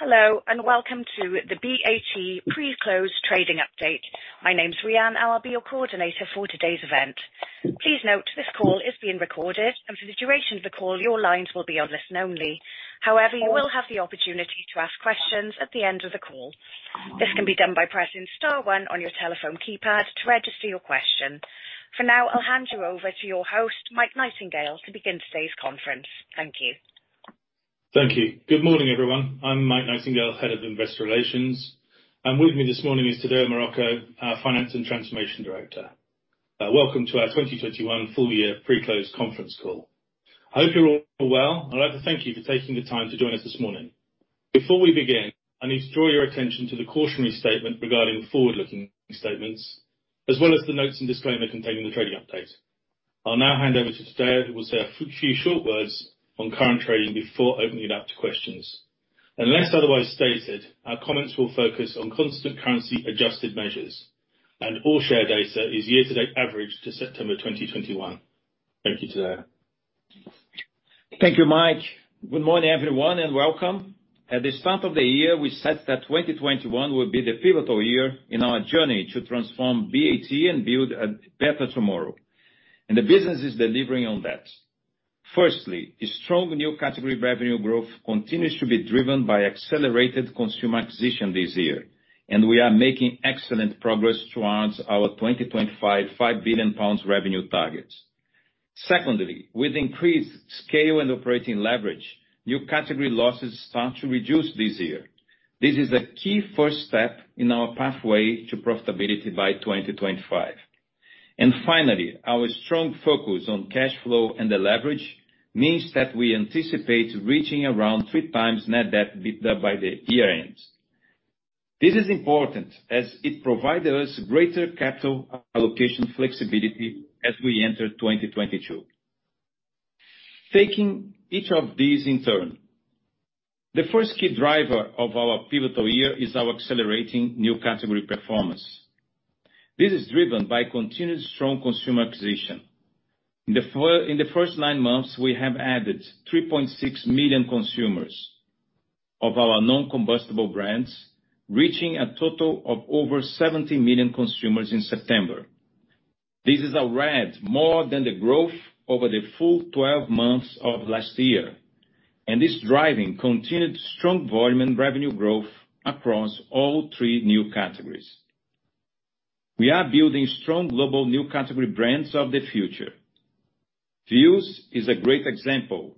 Hello, and welcome to the BAT pre-close trading update. My name's Rhian, and I'll be your coordinator for today's event. Please note this call is being recorded, and for the duration of the call, your lines will be on listen only. However, you will have the opportunity to ask questions at the end of the call. This can be done by pressing star one on your telephone keypad to register your question. For now, I'll hand you over to your host, Mike Nightingale, to begin today's conference. Thank you. Thank you. Good morning, everyone. I'm Mike Nightingale, Head of Investor Relations. With me this morning is Tadeu Marroco, our Finance and Transformation Director. Welcome to our 2021 full year pre-close conference call. I hope you're all well. I'd like to thank you for taking the time to join us this morning. Before we begin, I need to draw your attention to the cautionary statement regarding forward-looking statements, as well as the notes and disclaimer contained in the trading update. I'll now hand over to Tadeu, who will say a few short words on current trading before opening it up to questions. Unless otherwise stated, our comments will focus on constant currency-adjusted measures, and all share data is year-to-date average to September 2021. Thank you, Tadeu. Thank you, Mike. Good morning, everyone, and welcome. At the start of the year, we said that 2021 would be the pivotal year in our journey to transform BAT and build a better tomorrow. The business is delivering on that. Firstly, a strong new category revenue growth continues to be driven by accelerated consumer acquisition this year, and we are making excellent progress towards our 2025 5 billion pounds revenue targets. Secondly, with increased scale and operating leverage, new category losses start to reduce this year. This is a key first step in our pathway to profitability by 2025. Finally, our strong focus on cash flow and the leverage means that we anticipate reaching around 3x net debt by the year end. This is important as it provide us greater capital allocation flexibility as we enter 2022. Taking each of these in turn, the first key driver of our pivotal year is our accelerating new category performance. This is driven by continuous strong consumer acquisition. In the first nine months, we have added 3.6 million consumers of our non-combustible brands, reaching a total of over 70 million consumers in September. This is a rate more than the growth over the full 12 months of last year, and it's driving continued strong volume and revenue growth across all three new categories. We are building strong global new category brands of the future. Vuse is a great example,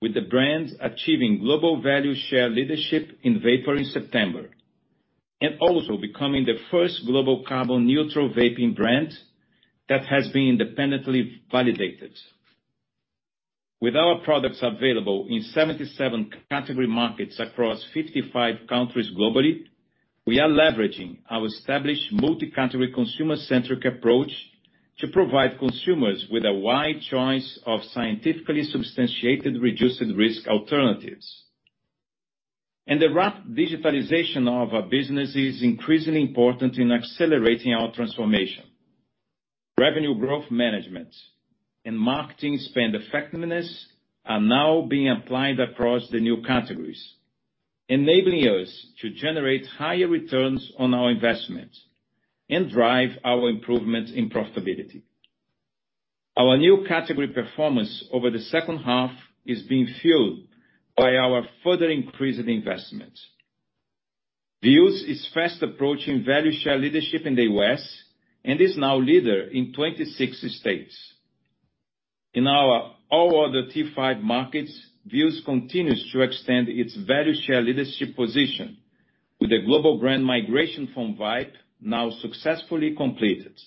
with the brands achieving global value share leadership in Vapour in September, and also becoming the first global carbon neutral vaping brand that has been independently validated. With our products available in 77 category markets across 55 countries globally, we are leveraging our established multi-category consumer-centric approach to provide consumers with a wide choice of scientifically substantiated reduced risk alternatives. The rapid digitalization of our business is increasingly important in accelerating our transformation. Revenue growth management and marketing spend effectiveness are now being applied across the new categories, enabling us to generate higher returns on our investments and drive our improvements in profitability. Our new category performance over the second half is being fueled by our further increase in investment. Vuse is fast approaching value share leadership in the U.S. and is now leader in 26 states. In our all other tier five markets, Vuse continues to extend its value share leadership position with a global brand migration from Vype now successfully completed.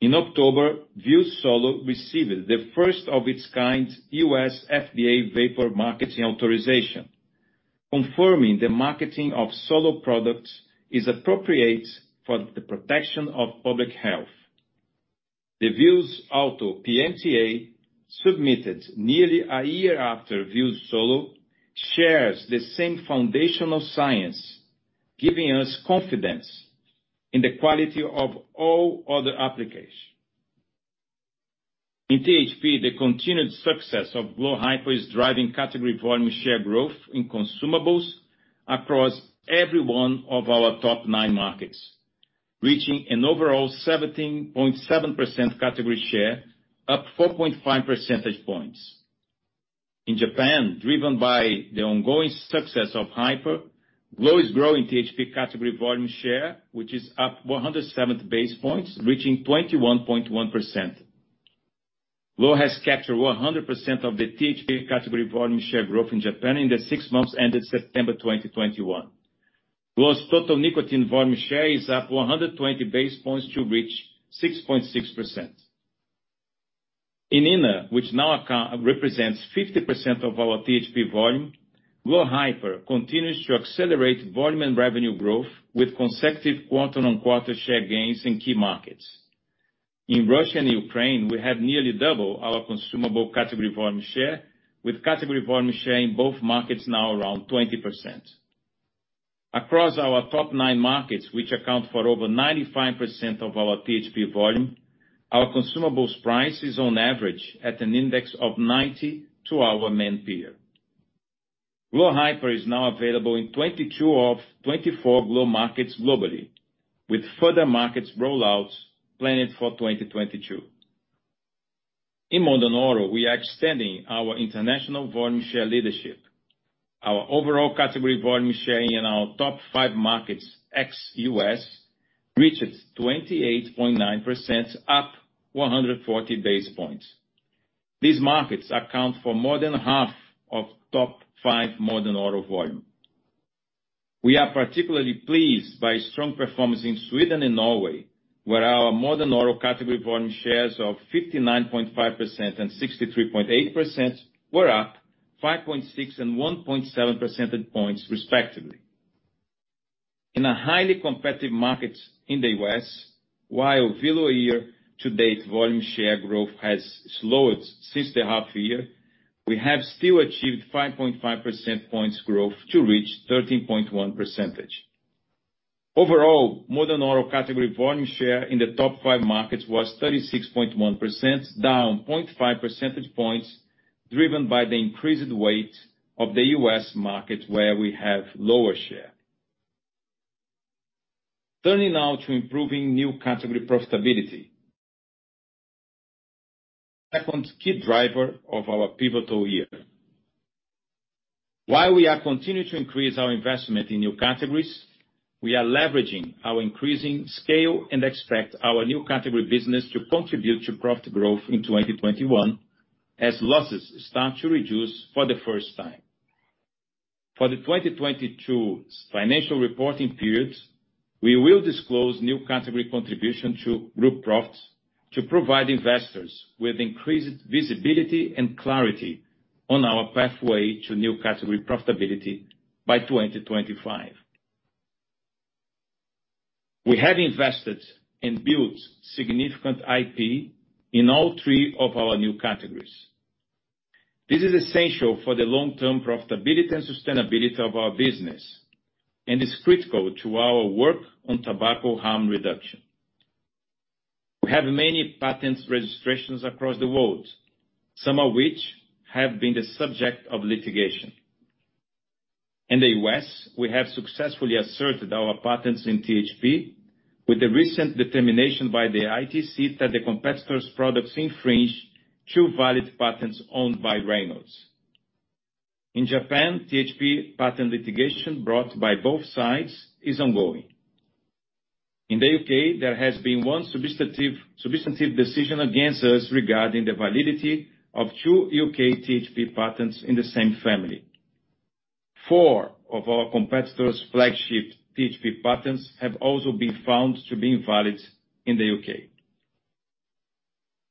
In October, Vuse Solo received the first of its kind U.S. FDA Vapour marketing authorization, confirming the marketing of Solo products is appropriate for the protection of public health. The Vuse Alto PMTA, submitted nearly a year after Vuse Solo, shares the same foundational science, giving us confidence in the quality of all other applications. In THP, the continued success of glo Hyper is driving category volume share growth in consumables across every one of our top nine markets, reaching an overall 17.7% category share, up 4.5 percentage points. In Japan, driven by the ongoing success of Hyper, Glo is growing THP category volume share, which is up 107 basis points, reaching 21.1%. Glo has captured 100% of the THP category volume share growth in Japan in the six months ended September 2021. Glo's total nicotine volume share is up 120 basis points to reach 6.6%. In Italy, which now represents 50% of our THP volume, glo Hyper continues to accelerate volume and revenue growth with consecutive quarter-on-quarter share gains in key markets. In Russia and Ukraine, we have nearly doubled our consumables category volume share, with category volume share in both markets now around 20%. Across our top 9 markets, which account for over 95% of our THP volume, our consumables price is on average at an index of 90 to our main peer. glo Hyper is now available in 22 of 24 glo markets globally, with further market rollouts planned for 2022. In Modern Oral, we are extending our international volume share leadership. Our overall category volume share in our top five markets, ex-U.S., reaches 28.9%, up 140 basis points. These markets account for more than half of top five modern oral volume. We are particularly pleased by strong performance in Sweden and Norway, where our modern oral category volume shares of 59.5% and 63.8% were up 5.6 and 1.7 percentage points respectively. In a highly competitive market in the U.S., while year-to-date volume share growth has slowed since the half year, we have still achieved 5.5 percentage points growth to reach 13.1%. Overall, modern oral category volume share in the top five markets was 36.1%, down 0.5 percentage points, driven by the increased weight of the U.S. market where we have lower share. Turning now to improving new category profitability. Second key driver of our pivotal year. While we are continuing to increase our investment in new categories, we are leveraging our increasing scale and expect our new category business to contribute to profit growth in 2021 as losses start to reduce for the first time. For the 2022 financial reporting period, we will disclose new category contribution to group profits to provide investors with increased visibility and clarity on our pathway to new category profitability by 2025. We have invested and built significant IP in all three of our new categories. This is essential for the long-term profitability and sustainability of our business, and is critical to our work on tobacco harm reduction. We have many patents registrations across the world, some of which have been the subject of litigation. In the U.S., we have successfully asserted our patents in THP with the recent determination by the ITC that the competitor's products infringe two valid patents owned by Reynolds. In Japan, THP patent litigation brought by both sides is ongoing. In the U.K., there has been one substantive decision against us regarding the validity of two U.K. THP patents in the same family. Four of our competitor's flagship THP patents have also been found to be invalid in the U.K.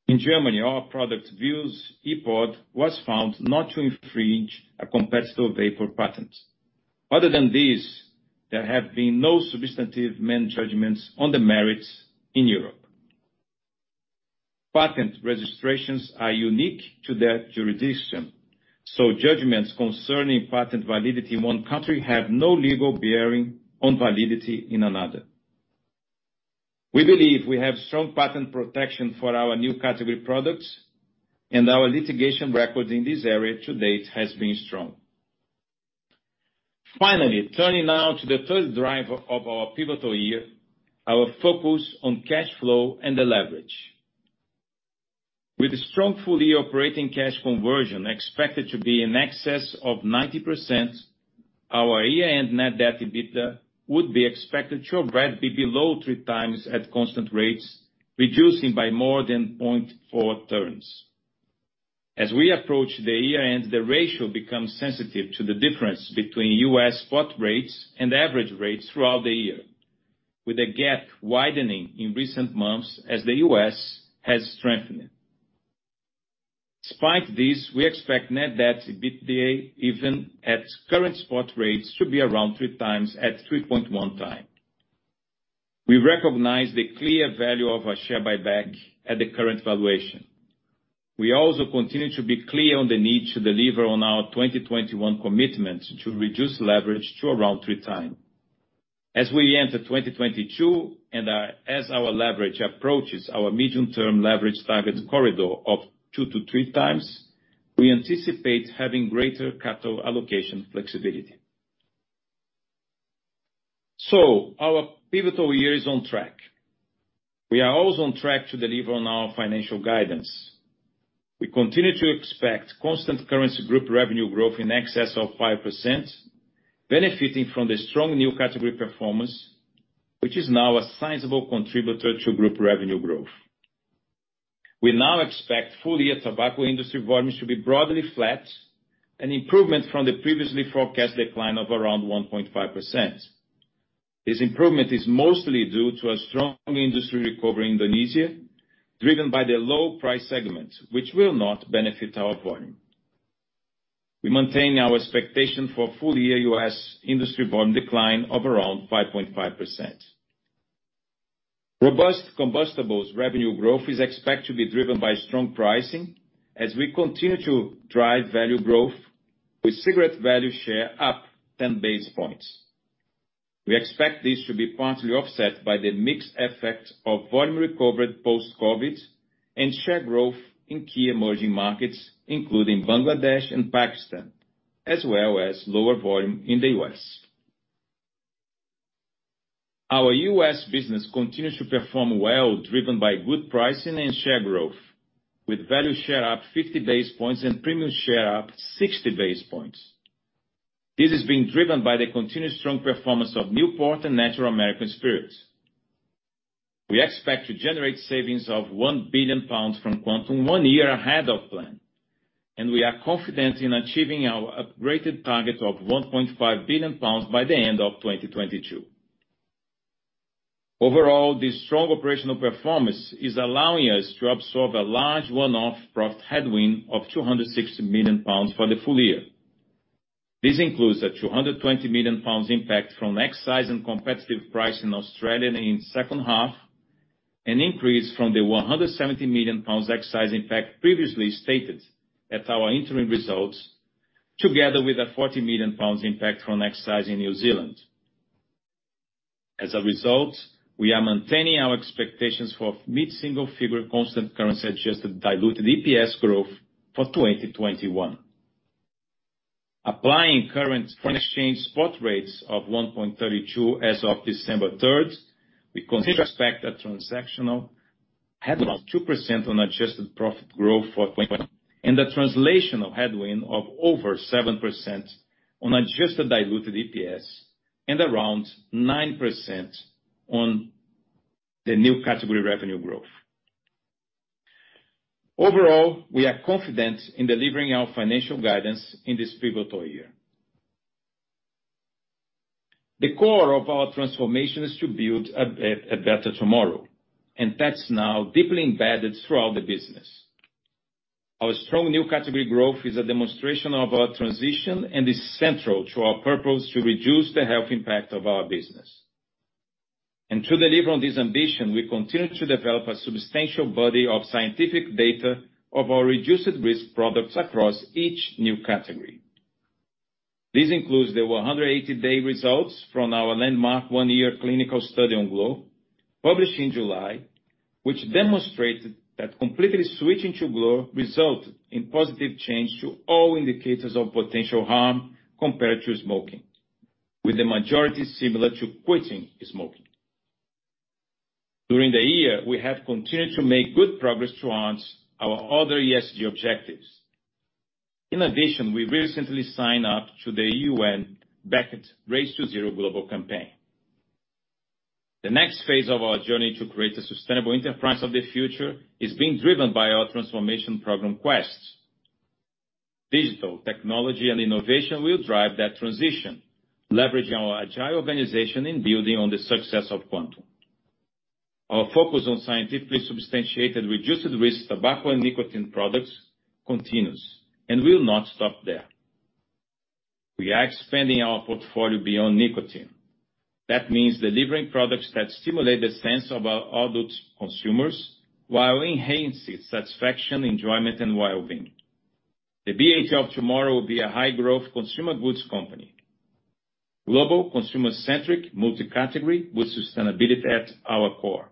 In Germany, our product, Vuse ePod, was found not to infringe a competitor vapour patent. Other than these, there have been no substantive main judgments on the merits in Europe. Patent registrations are unique to their jurisdiction, so judgments concerning patent validity in one country have no legal bearing on validity in another. We believe we have strong patent protection for our new category products, and our litigation record in this area to date has been strong. Finally, turning now to the third driver of our pivotal year, our focus on cash flow and the leverage. With strong full-year operating cash conversion expected to be in excess of 90%, our year-end net debt to EBITDA would be expected to be below 3x at constant rates, reducing by more than 0.4 turns. As we approach the year-end, the ratio becomes sensitive to the difference between U.S. spot rates and average rates throughout the year, with a gap widening in recent months as the U.S. has strengthened. Despite this, we expect net debt to EBITDA, even at current spot rates, to be around 3x at 3.1x. We recognize the clear value of a share buyback at the current valuation. We also continue to be clear on the need to deliver on our 2021 commitment to reduce leverage to around 3x. As we enter 2022, as our leverage approaches our medium-term leverage target corridor of 2x-3x, we anticipate having greater capital allocation flexibility. Our pivotal year is on track. We are also on track to deliver on our financial guidance. We continue to expect constant currency group revenue growth in excess of 5%, benefiting from the strong new category performance, which is now a sizable contributor to group revenue growth. We now expect full-year tobacco industry volumes to be broadly flat, an improvement from the previously forecast decline of around 1.5%. This improvement is mostly due to a strong industry recovery in Indonesia, driven by the low price segment, which will not benefit our volume. We maintain our expectation for full-year U.S. industry volume decline of around 5.5%. Robust combustibles revenue growth is expected to be driven by strong pricing as we continue to drive value growth with cigarette value share up 10 basis points. We expect this to be partly offset by the mixed effect of volume recovered post-COVID and share growth in key emerging markets, including Bangladesh and Pakistan, as well as lower volume in the U.S. Our U.S. business continues to perform well, driven by good pricing and share growth, with value share up 50 basis points and premium share up 60 basis points. This is being driven by the continued strong performance of Newport and Natural American Spirit. We expect to generate savings of 1 billion pounds from Quantum one-year ahead of plan, and we are confident in achieving our upgraded target of 1.5 billion pounds by the end of 2022. Overall, this strong operational performance is allowing us to absorb a large one-off profit headwind of 260 million pounds for the full year. This includes a 220 million pounds impact from excise and competitive price in Australia in second half, an increase from the 170 million pounds excise impact previously stated at our interim results, together with a 40 million pounds impact from excise in New Zealand. As a result, we are maintaining our expectations for mid-single figure constant currency adjusted diluted EPS growth for 2021. Applying current foreign exchange spot rates of 1.32 as of December 3rd, we continue to expect a transactional headwind of 2% on adjusted profit growth for 2024, and the translation headwind of over 7% on adjusted diluted EPS and around 9% on the new category revenue growth. Overall, we are confident in delivering our financial guidance in this pivotal year. The core of our transformation is to build a better tomorrow, and that's now deeply embedded throughout the business. Our strong new category growth is a demonstration of our transition and is central to our purpose to reduce the health impact of our business. To deliver on this ambition, we continue to develop a substantial body of scientific data of our reduced risk products across each new category. This includes the 180-day results from our landmark one-year clinical study on glo, published in July, which demonstrated that completely switching to glo resulted in positive change to all indicators of potential harm compared to smoking, with the majority similar to quitting smoking. During the year, we have continued to make good progress towards our other ESG objectives. In addition, we recently signed up to the UN-backed Race to Zero global campaign. The next phase of our journey to create a sustainable enterprise of the future is being driven by our transformation program Quest. Digital technology and innovation will drive that transition, leveraging our agile organization in building on the success of Quantum. Our focus on scientifically substantiated reduced risk tobacco and nicotine products continues and will not stop there. We are expanding our portfolio beyond nicotine. That means delivering products that stimulate the sense of our adult consumers while enhancing satisfaction, enjoyment, and well-being. The BAT of tomorrow will be a high-growth consumer goods company, global consumer-centric multi-category with sustainability at our core.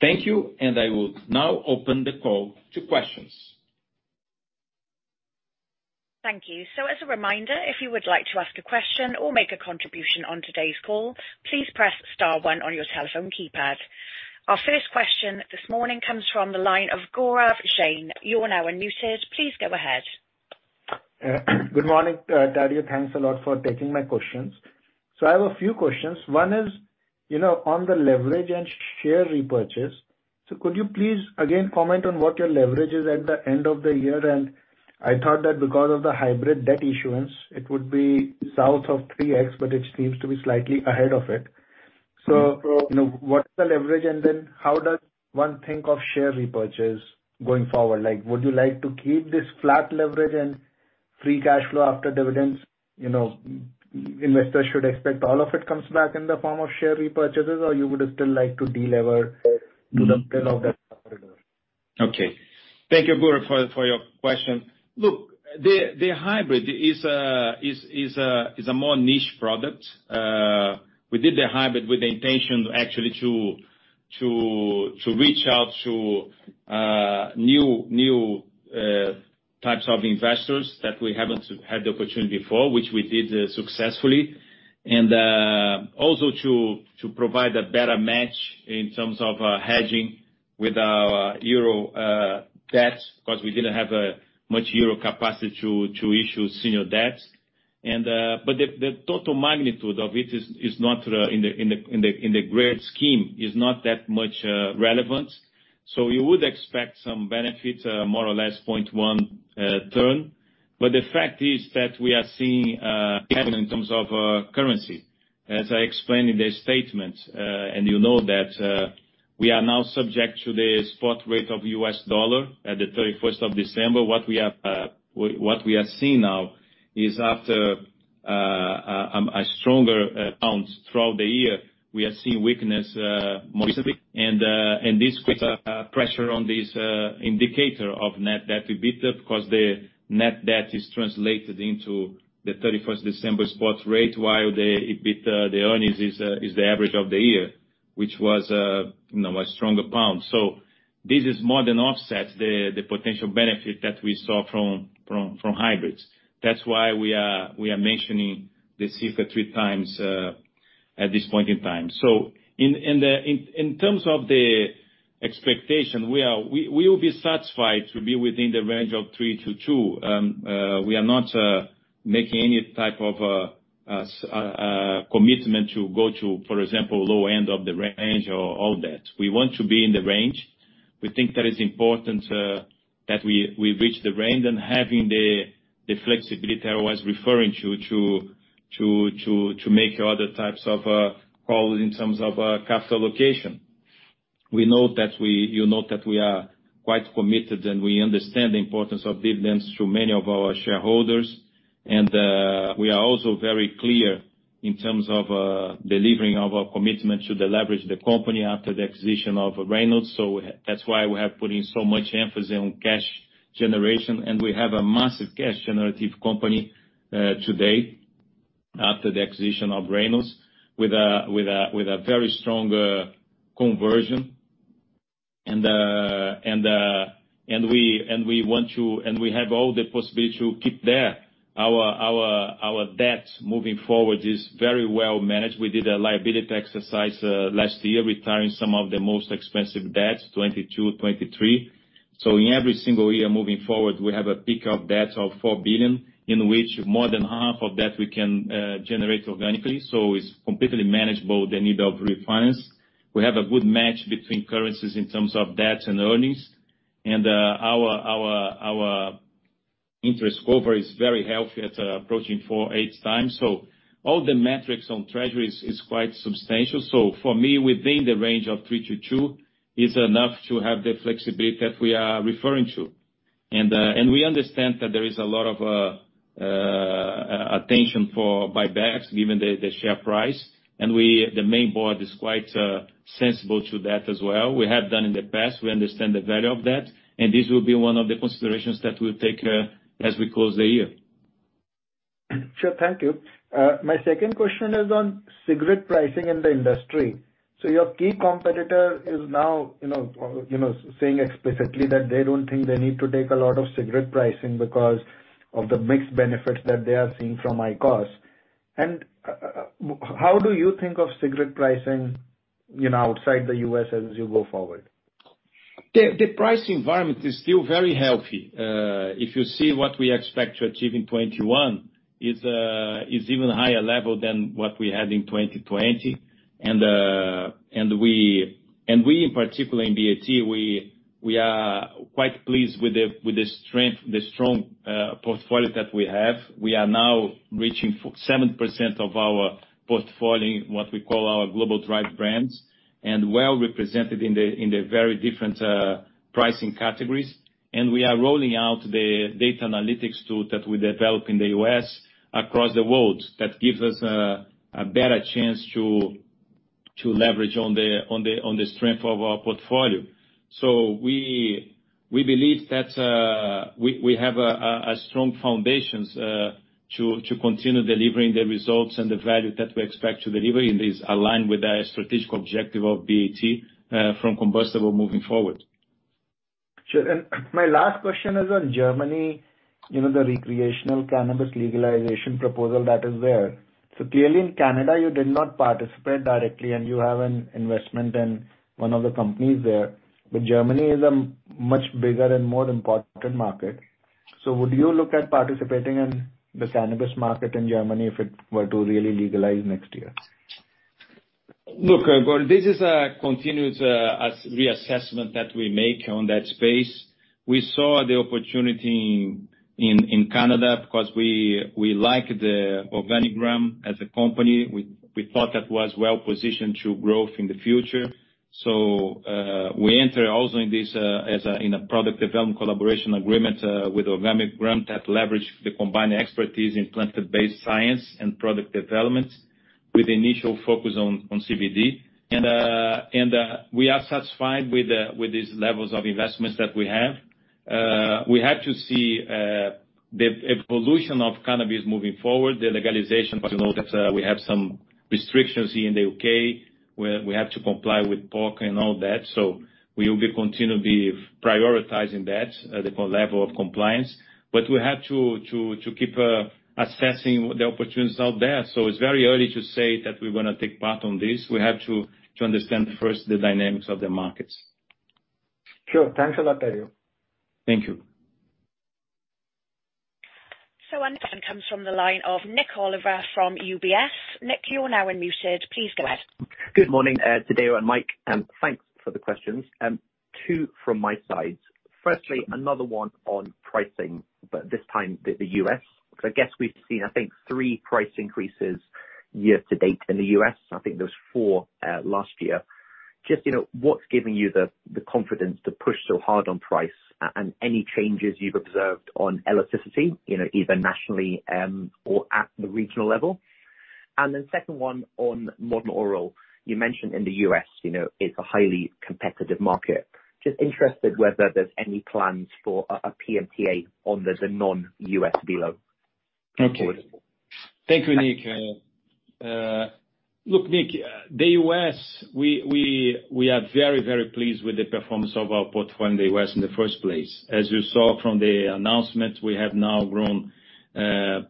Thank you, and I will now open the call to questions. Thank you. As a reminder, if you would like to ask a question or make a contribution on today's call, please press star one on your telephone keypad. Our first question this morning comes from the line of Gaurav Jain. You're now unmuted. Please go ahead. Good morning, Tadeu Marroco. Thanks a lot for taking my questions. I have a few questions. One is, you know, on the leverage and share repurchase. Could you please again comment on what your leverage is at the end of the year? And I thought that because of the hybrid debt issuance, it would be south of 3x, but it seems to be slightly ahead of it. You know, what's the leverage, and then how does one think of share repurchase going forward? Like, would you like to keep this flat leverage and free cash flow after dividends, you know, investors should expect all of it comes back in the form of share repurchases, or you would still like to de-lever to the benefit of the. Okay. Thank you, Gaurav, for your question. Look, the hybrid is a more niche product. We did the hybrid with the intention actually to reach out to new types of investors that we haven't had the opportunity before, which we did successfully. Also to provide a better match in terms of hedging with our euro debts, because we didn't have much euro capacity to issue senior debts. But the total magnitude of it is not in the grand scheme that much relevant. You would expect some benefit, more or less 0.1 turn. The fact is that we are seeing in terms of currency, as I explained in the statement, and you know that we are now subject to the spot rate of U.S. dollar at the 31st of December. What we have, what we are seeing now is after a stronger pound throughout the year, we are seeing weakness mostly. This puts a pressure on this indicator of net debt to EBITDA because the net debt is translated into the 31st December spot rate, while the EBITDA, the earnings is the average of the year, which was, you know, a stronger pound. This is more than offsets the potential benefit that we saw from hybrids. That's why we are mentioning this. This is the 3x at this point in time. In terms of the expectation, we will be satisfied to be within the range of 2x-3x. We are not making any type of commitment to go to, for example, low end of the range or all that. We want to be in the range. We think that is important that we reach the range and having the flexibility I was referring to to make other types of calls in terms of capital allocation. You know that we are quite committed, and we understand the importance of dividends to many of our shareholders. We are also very clear in terms of delivering of our commitment to deleverage the company after the acquisition of Reynolds. That's why we have put in so much emphasis on cash generation, and we have a massive cash generative company today after the acquisition of Reynolds with a very strong conversion. We want to, and we have all the possibility to keep there. Our debt moving forward is very well managed. We did a liability exercise last year, retiring some of the most expensive debts, 2022, 2023. In every single year moving forward, we have a peak of debt of 4 billion, in which more than half of that we can generate organically. It's completely manageable, the need of refinance. We have a good match between currencies in terms of debts and earnings. Our interest cover is very healthy. It's approaching 4.8x. All the metrics on treasuries is quite substantial. For me, within the range of 2-3 is enough to have the flexibility that we are referring to. We understand that there is a lot of attention for buybacks given the share price. The main board is quite sensible to that as well. We have done in the past, we understand the value of that, and this will be one of the considerations that we'll take as we close the year. Sure. Thank you. My second question is on cigarette pricing in the industry. Your key competitor is now, you know, saying explicitly that they don't think they need to take a lot of cigarette pricing because of the mixed benefits that they are seeing from IQOS. How do you think of cigarette pricing, you know, outside the U.S. as you go forward? The price environment is still very healthy. If you see what we expect to achieve in 2021, it's even higher level than what we had in 2020. We in particular in BAT are quite pleased with the strength of the strong portfolio that we have. We are now reaching 7% of our portfolio in what we call our global drive brands, and well-represented in the very different pricing categories. We are rolling out the data analytics tool that we develop in the U.S. across the world. That gives us a better chance to leverage on the strength of our portfolio. We believe that we have a strong foundation to continue delivering the results and the value that we expect to deliver, and is aligned with our strategic objective of BAT from combustibles moving forward. Sure. My last question is on Germany, you know, the recreational cannabis legalization proposal that is there. Clearly in Canada, you did not participate directly, and you have an investment in one of the companies there. Germany is a much bigger and more important market. Would you look at participating in the cannabis market in Germany if it were to really legalize next year? Look, well, this is a continuous reassessment that we make on that space. We saw the opportunity in Canada because we like the Organigram as a company. We thought that was well-positioned for growth in the future. We entered also in this in a product development collaboration agreement with Organigram that leverages the combined expertise in plant-based science and product development with initial focus on CBD. We are satisfied with these levels of investments that we have. We have to see the evolution of cannabis moving forward, the legalization, because you know that we have some restrictions here in the U.K., where we have to comply with POC and all that. We will be continually prioritizing that, the level of compliance. We have to keep assessing the opportunities out there. It's very early to say that we're gonna take part in this. We have to understand first the dynamics of the markets. Sure. Thanks a lot, Tadeu. Thank you. Our next question comes from the line of Nik Oliver from UBS. Nik, you're now unmuted. Please go ahead. Good morning, Tadeu and Mike, and thanks for the questions. Two from my side. Firstly, another one on pricing, but this time the U.S., because I guess we've seen, I think, three price increases year to date in the U.S. I think there was four last year. Just, you know, what's giving you the confidence to push so hard on price and any changes you've observed on elasticity, you know, either nationally or at the regional level? And then second one on Modern Oral. You mentioned in the U.S., you know, it's a highly competitive market. Just interested whether there's any plans for a PMTA on the non-U.S. Velo going forward. Okay. Thank you, Nick. Look, Nick, the US, we are very pleased with the performance of our portfolio in the US in the first place. As you saw from the announcement, we have now grown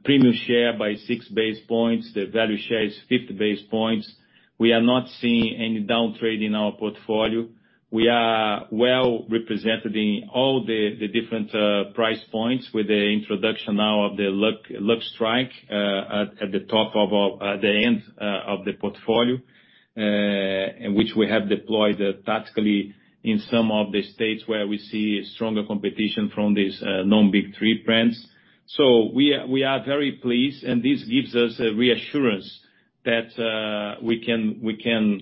premium share by 6 basis points. The value share is 50 basis points. We are not seeing any down trade in our portfolio. We are well represented in all the different price points with the introduction now of the Lucky Strike at the end of the portfolio, and which we have deployed tactically in some of the states where we see stronger competition from these non-big three brands. We are very pleased, and this gives us a reassurance that we can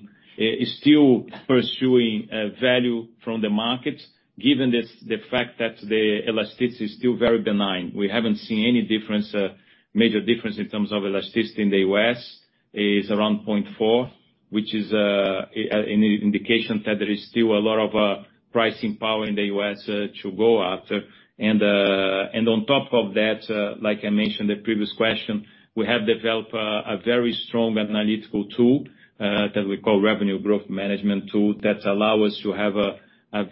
still pursue value from the markets, given the fact that the elasticity is still very benign. We haven't seen any major difference in terms of elasticity in the U.S., [which] is around 0.4, which is an indication that there is still a lot of pricing power in the U.S. to go after. On top of that, like I mentioned the previous question, we have developed a very strong analytical tool that we call Revenue Growth Management Tool that allow us to have a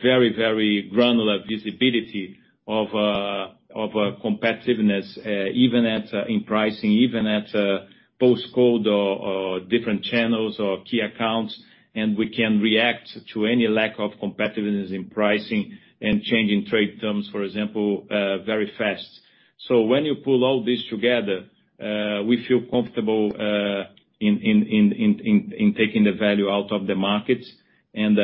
very granular visibility of competitiveness even at in pricing, even at post code or different channels or key accounts, and we can react to any lack of competitiveness in pricing and changing trade terms, for example, very fast. When you pull all this together, we feel comfortable in taking the value out of the markets, and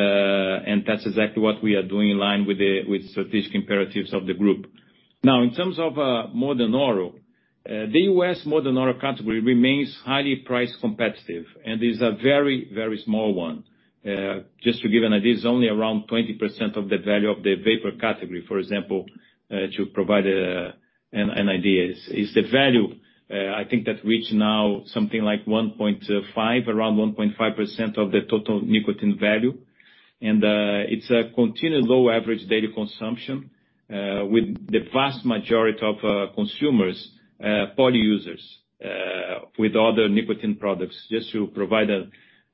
that's exactly what we are doing in line with the strategic imperatives of the group. Now, in terms of Modern Oral, the U.S. Modern Oral category remains highly price competitive and is a very, very small one. Just to give an idea, it's only around 20% of the value of the vapour category. For example, to provide an idea is the value, I think that reached now something like 1.5, around 1.5% of the total nicotine value. It's a continued low average daily consumption, with the vast majority of consumers poly users with other nicotine products. Just to provide an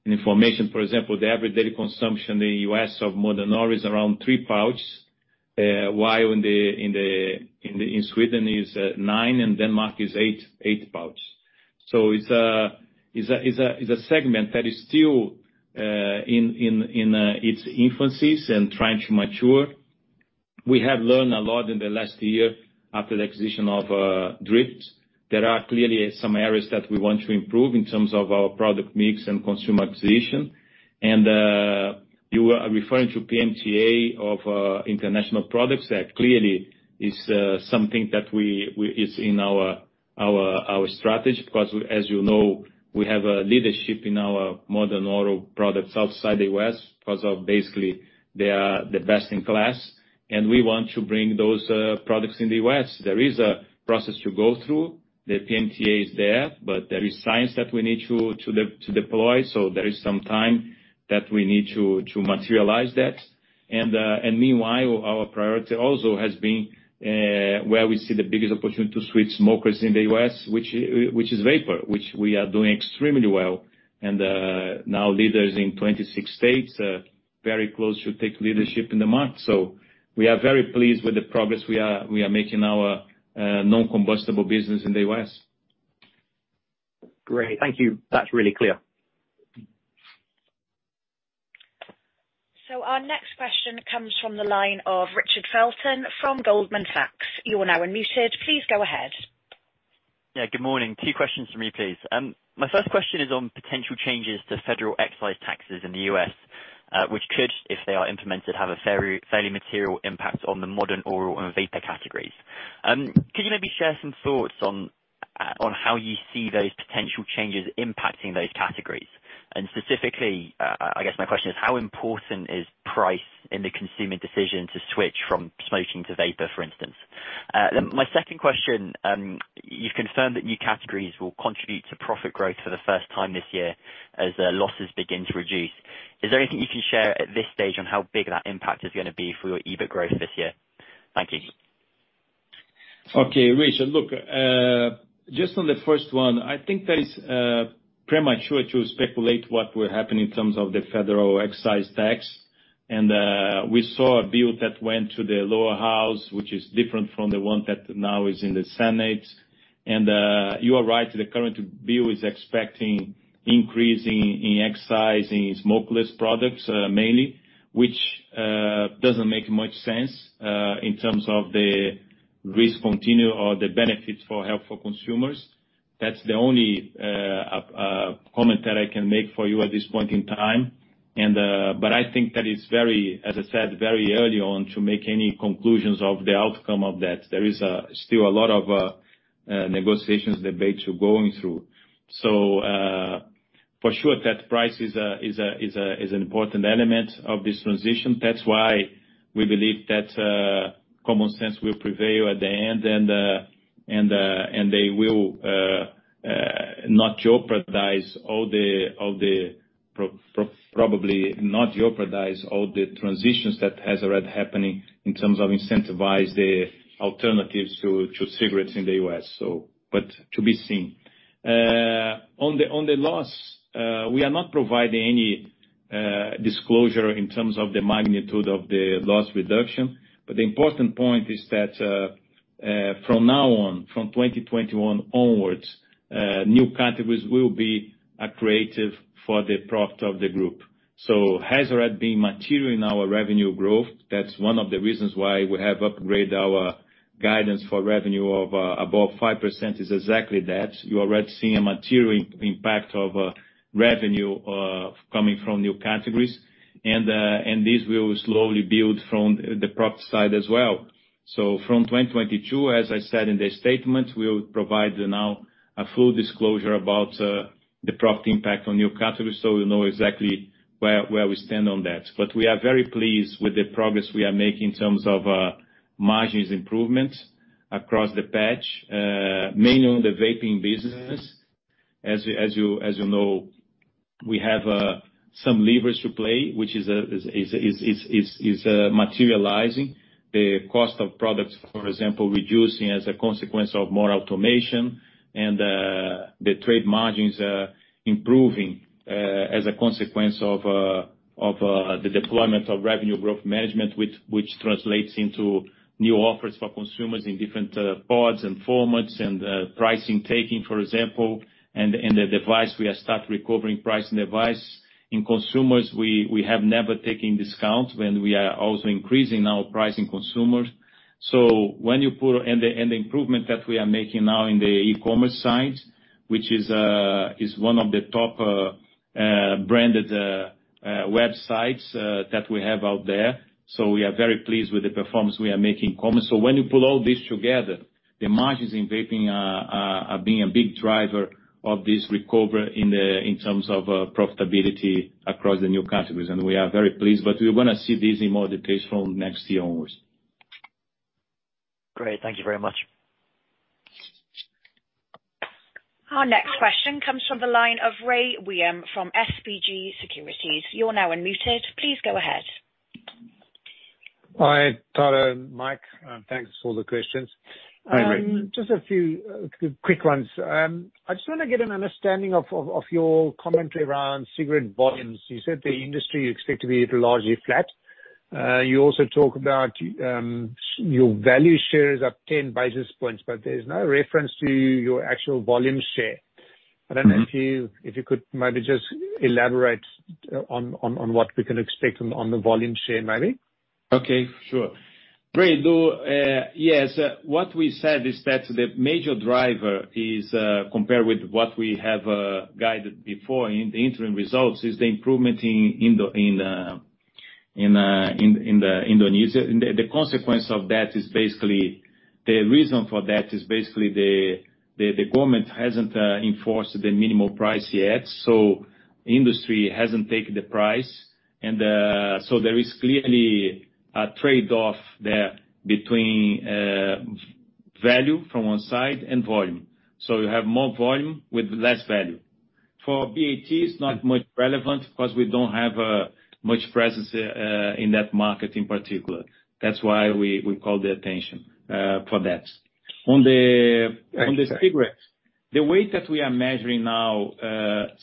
information, for example, the average daily consumption in the U.S. of Modern Oral is around three pouch, while in Sweden is nine, and Denmark is eight pouch. It's a segment that is still in its infancy and trying to mature. We have learned a lot in the last year after the acquisition of Dryft. There are clearly some areas that we want to improve in terms of our product mix and consumer acquisition. You are referring to PMTA of international products. That clearly is something that it's in our strategy because as you know, we have a leadership in our Modern Oral products outside the U.S. because basically they are the best in class, and we want to bring those products in the U.S. There is a process to go through. The PMTA is there, but there is science that we need to deploy, so there is some time that we need to materialize that. Meanwhile, our priority also has been where we see the biggest opportunity to switch smokers in the U.S., which is vapour, which we are doing extremely well. Now leaders in 26 states, very close to take leadership in the market. We are very pleased with the progress we are making our non-combustible business in the U.S. Great. Thank you. That's really clear. Our next question comes from the line of Richard Felton from Goldman Sachs. You are now unmuted. Please go ahead. Yeah. Good morning. Two questions from me, please. My first question is on potential changes to federal excise taxes in the U.S., which could, if they are implemented, have a very fairly material impact on the Modern Oral and Vapour categories. Could you maybe share some thoughts on how you see those potential changes impacting those categories? And specifically, I guess my question is how important is price in the consumer decision to switch from smoking to Vapour, for instance? My second question, you've confirmed that new categories will contribute to profit growth for the first time this year as losses begin to reduce. Is there anything you can share at this stage on how big that impact is gonna be for your EBIT growth this year? Thank you. Okay. Richard, look, just on the first one, I think that is premature to speculate what will happen in terms of the federal excise tax. We saw a bill that went to the lower house, which is different from the one that now is in the Senate. You are right, the current bill is expecting increase in excise Smokeless products, mainly, which doesn't make much sense in terms of the risk continuum or the benefits for health for consumers. That's the only comment that I can make for you at this point in time. I think that it's very, as I said, very early on to make any conclusions of the outcome of that. There is still a lot of negotiations, debates we're going through. For sure, that price is an important element of this transition. That's why we believe that common sense will prevail at the end and they will probably not jeopardize all the transitions that has already happening in terms of incentivize the alternatives to cigarettes in the U.S. But to be seen. On the loss, we are not providing any disclosure in terms of the magnitude of the loss reduction. But the important point is that from now on, from 2021 onwards, new categories will be accretive for the profit of the group. Has already been material in our revenue growth. That's one of the reasons why we have upgrade our guidance for revenue of above 5% is exactly that. You're already seeing a material impact of revenue coming from new categories. This will slowly build from the profit side as well. From 2022, as I said in the statement, we'll provide now a full disclosure about the profit impact on new categories, so we'll know exactly where we stand on that. But we are very pleased with the progress we are making in terms of margins improvement across the patch, mainly on the vaping business. As you know, we have some levers to play, which is materializing. The cost of products, for example, reducing as a consequence of more automation and the trade margins improving as a consequence of the deployment of Revenue Growth Management, which translates into new offers for consumers in different pods and formats and pricing taking, for example. The device, we are start recovering price in device. In consumers, we have never taken discounts, and we are also increasing our price in consumers. The improvement that we are making now in the e-commerce side, which is one of the top branded websites that we have out there. We are very pleased with the performance we are making in commerce. When you put all this together, the margins in vaping are being a big driver of this recovery in terms of profitability across the new categories. We are very pleased, but we wanna see this in more details from next year onwards. Great. Thank you very much. Our next question comes from the line of Rey Wium from SBG Securities. You're now unmuted. Please go ahead. Hi, Tadeu Marroco and Mike Nightingale. Thanks for the questions. Hi, Rey. Just a few quick ones. I just wanna get an understanding of your commentary around cigarette volumes. You said the industry you expect to be largely flat. You also talk about your value share is up ten basis points, but there's no reference to your actual volume share. Mm-hmm. I don't know if you could maybe just elaborate on what we can expect on the volume share maybe. Okay, sure. Rey, though, yes, what we said is that the major driver is compared with what we have guided before in the interim results, is the improvement in Indonesia. The consequence of that is basically the reason for that is basically the government hasn't enforced the minimum price yet, so industry hasn't taken the price and so there is clearly a trade-off there between value from one side and volume. You have more volume with less value. For BAT, it's not much relevant because we don't have much presence in that market in particular. That's why we call the attention for that. On the Excellent. On the cigarettes, the way that we are measuring now,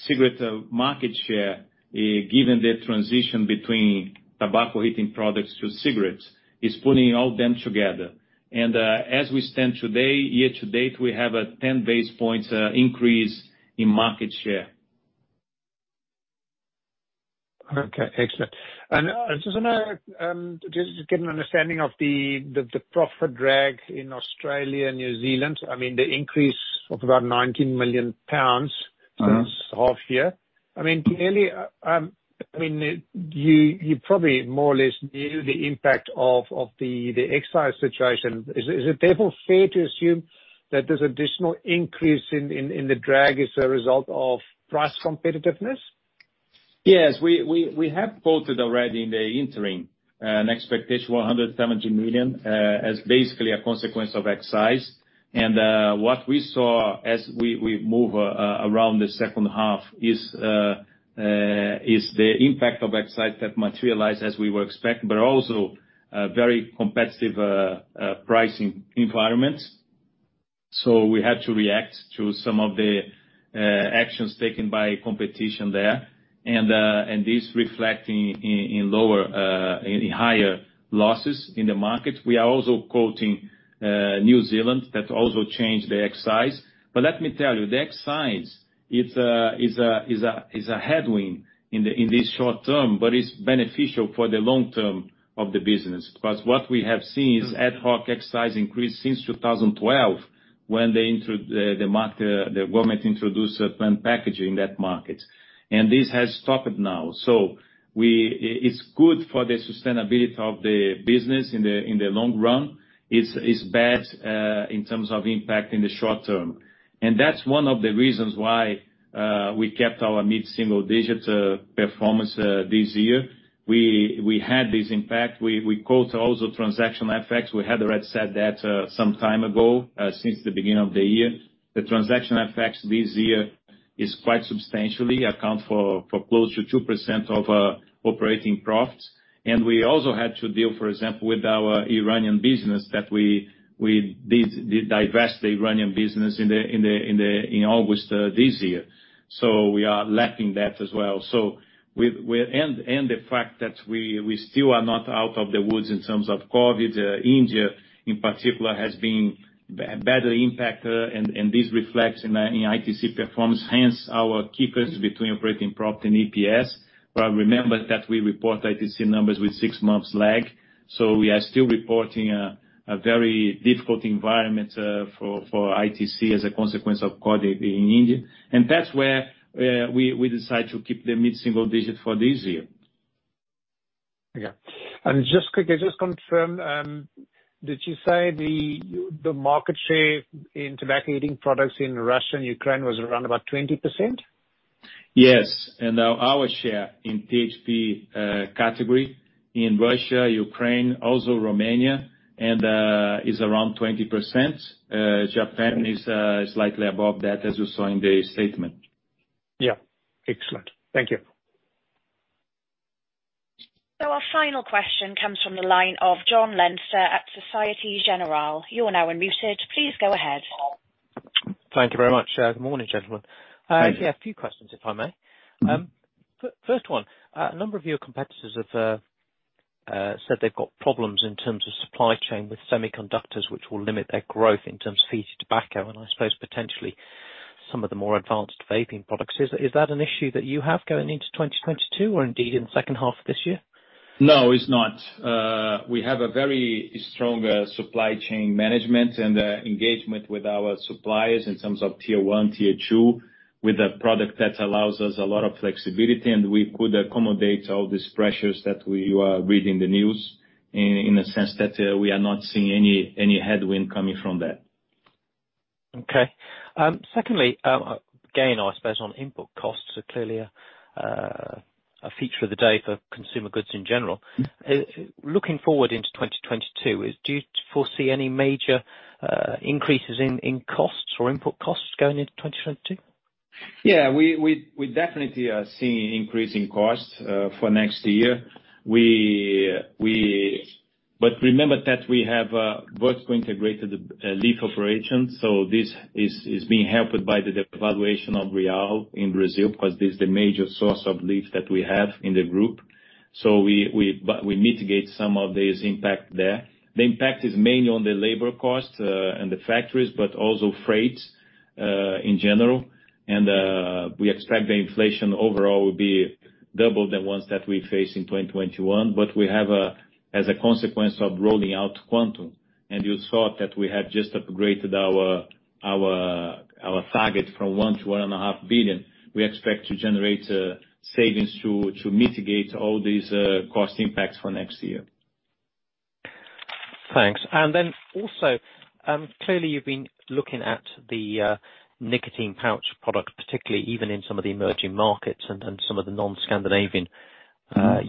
cigarette market share, given the transition between tobacco heating products to cigarettes, is putting all them together. As we stand today, year-to-date, we have a 10 basis points increase in market share. Okay, excellent. I just wanna get an understanding of the profit drag in Australia and New Zealand. I mean, the increase of about 19 million pounds. Mm-hmm. This half year. I mean, clearly, I mean, you probably more or less knew the impact of the excise situation. Is it therefore fair to assume that this additional increase in the drag is a result of price competitiveness? Yes. We have quoted already in the interim an expectation 170 million as basically a consequence of excise. What we saw as we move around the second half is the impact of excise that materialized as we were expecting, but also a very competitive pricing environment. We had to react to some of the actions taken by competition there and this reflecting in higher losses in the market. We are also quoting New Zealand that also changed the excise. Let me tell you, the excise it's a headwind in this short term, but it's beneficial for the long term of the business. Because what we have seen is ad hoc excise increase since 2012, when the government introduced plain packaging in that market. This has stopped now. It's good for the sustainability of the business in the long run. It's bad in terms of impact in the short term. That's one of the reasons why we kept our mid-single-digit performance this year. We had this impact. We noted also transaction effects. We had already said that some time ago, since the beginning of the year. The transaction effects this year quite substantially account for close to 2% of operating profits. We also had to deal, for example, with our Iranian business that we divested the Iranian business in August this year. We are lacking that as well. The fact that we still are not out of the woods in terms of COVID. Italy, in particular, has been badly impacted and this reflects in ITC performance, hence our keepers between operating profit and EPS. Remember that we report ITC numbers with six months lag. We are still reporting a very difficult environment for ITC as a consequence of COVID in Italy. That's where we decide to keep the mid-single digit for this year. Okay. Just quickly, just confirm, did you say the market share in tobacco heating products in Russia and Ukraine was around about 20%? Yes. Our share in THP category in Russia, Ukraine, also Romania, and is around 20%. Japan is slightly above that, as you saw in the statement. Yeah. Excellent. Thank you. Our final question comes from the line of Jonathan Leinster at Société Générale. You are now unmuted. Please go ahead. Thank you very much. Good morning, gentlemen. Morning. Yeah, a few questions, if I may. Mm-hmm. First one, a number of your competitors have said they've got problems in terms of supply chain with semiconductors, which will limit their growth in terms of heated tobacco, and I suppose potentially some of the more advanced vaping products. Is that an issue that you have going into 2022 or indeed in the second half of this year? No, it's not. We have a very strong supply chain management and engagement with our suppliers in terms of tier one, tier two, with a product that allows us a lot of flexibility and we could accommodate all these pressures that we are reading the news in a sense that we are not seeing any headwind coming from that. Okay. Secondly, again, I suppose on input costs are clearly a feature of the day for consumer goods in general. Mm-hmm. Looking forward into 2022, do you foresee any major increases in costs or input costs going into 2022? We definitely are seeing increase in costs for next year. Remember that we have vertically integrated leaf operations, so this is being helped by the devaluation of real in Brazil because this is the major source of leaves that we have in the group. We mitigate some of this impact there. The impact is mainly on the labor costs and the factories, but also freight in general. We expect the inflation overall will be double the ones that we face in 2021. As a consequence of rolling out Quantum, and you saw that we have just upgraded our target from $1 billion-$1.5 billion, we expect to generate savings to mitigate all these cost impacts for next year. Thanks. Then also, clearly you've been looking at the nicotine pouch product, particularly even in some of the emerging markets and some of the non-Scandinavian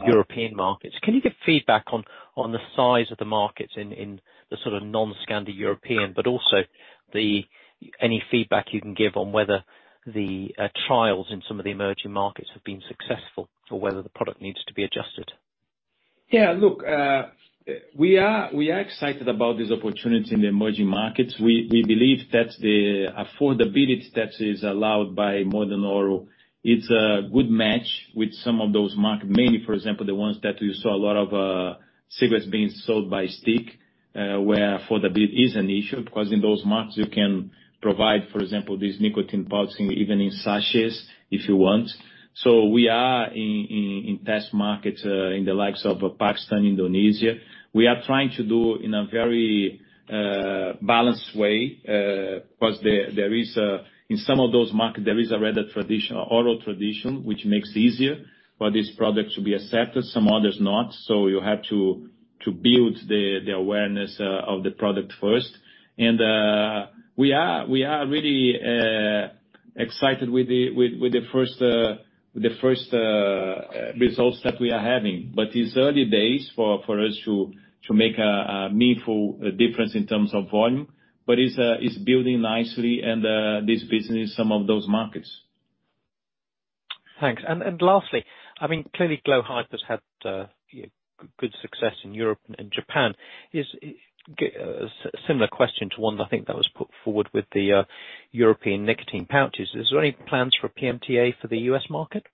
European markets. Can you give feedback on the size of the markets in the sort of non-Scandi European, but also any feedback you can give on whether the trials in some of the emerging markets have been successful or whether the product needs to be adjusted? Yeah. Look, we are excited about this opportunity in the emerging markets. We believe that the affordability that is allowed by Modern Oral, it's a good match with some of those markets. Mainly, for example, the ones that you saw a lot of cigarettes being sold by stick, where affordability is an issue, because in those markets you can provide, for example, these nicotine pouches even in sachets if you want. We are in test markets in the likes of Pakistan, Indonesia. We are trying to do it in a very balanced way, plus there is in some of those markets there is already a tradition, oral tradition, which makes it easier for this product to be accepted, some others not. You have to build the awareness of the product first. We are really excited with the first results that we are having. It's early days for us to make a meaningful difference in terms of volume. It's building nicely and this business some of those markets. Thanks. I mean, clearly glo Hyper's had very good success in Europe and Japan. Is a similar question to one that I think that was put forward with the European nicotine pouches. Is there any plans for PMTA for the U.S. market?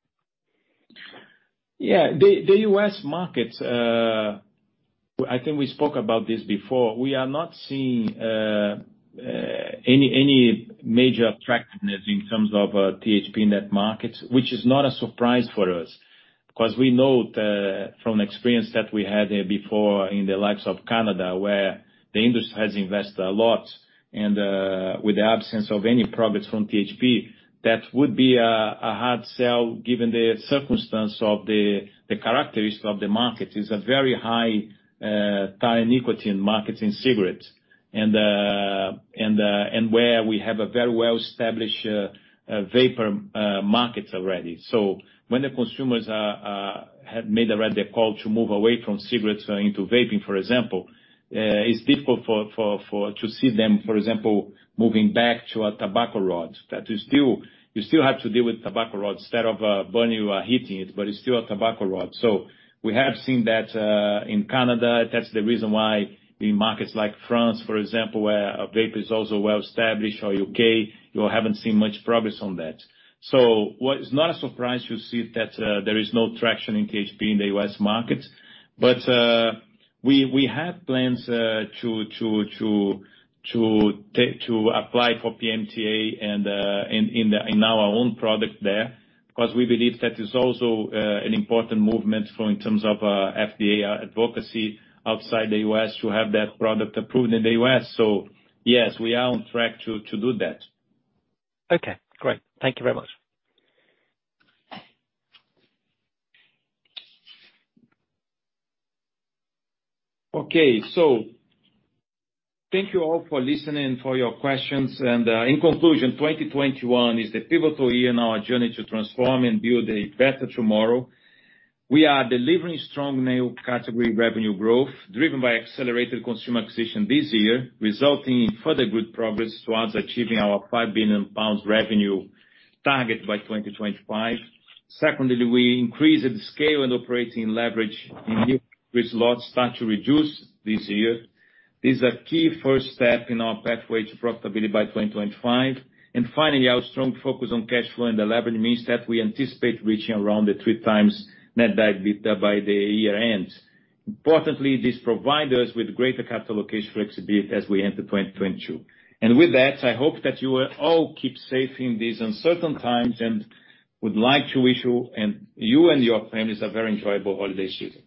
Yeah. The U.S. market, I think we spoke about this before. We are not seeing any major attractiveness in terms of THP in that market, which is not a surprise for us, because we know from experience that we had before in the likes of Canada, where the industry has invested a lot, and with the absence of any profits from THP, that would be a hard sell given the circumstance of the characteristic of the market, is a very high inequity in markets in cigarettes, and where we have a very well-established vapour markets already. When the consumers have made already a call to move away from cigarettes into vaping, for example, it's difficult to see them, for example, moving back to a tobacco rod. That is still, you still have to deal with tobacco rod. Instead of burning, you are heating it, but it's still a tobacco rod. We have seen that in Canada. That's the reason why in markets like France, for example, where a vape is also well-established, or U.K., you haven't seen much progress on that. What is not a surprise to see that there is no traction in THP in the U.S. market. We have plans to apply for PMTA and in our own product there, 'cause we believe that is also an important movement in terms of FDA advocacy outside the U.S. to have that product approved in the U.S. Yes, we are on track to do that. Okay, great. Thank you very much. Okay. Thank you all for listening, for your questions. In conclusion, 2021 is the pivotal year in our journey to transform and build a better tomorrow. We are delivering strong new category revenue growth, driven by accelerated consumer acquisition this year, resulting in further good progress towards achieving our 5 billion pounds revenue target by 2025. Secondly, we increased the scale and operating leverage in new categories losses start to reduce this year. This is a key first step in our pathway to profitability by 2025. Finally, our strong focus on cash flow and the leverage means that we anticipate reaching around the 3x net debt by the year-end. Importantly, this provide us with greater capital allocation flexibility as we enter 2022. With that, I hope that you will all keep safe in these uncertain times, and would like to wish you and your families a very enjoyable holiday season.